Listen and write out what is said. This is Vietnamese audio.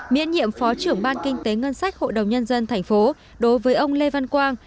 miễn nhiệm phó trưởng ban kinh tế ngân sách hội đồng nhân dân thành phố đối với ông lê văn quang